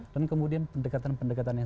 dan kemudian pendekatan pendekatan yang